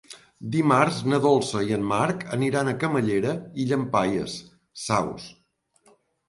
Dimarts na Dolça i en Marc aniran a Camallera i Llampaies Saus.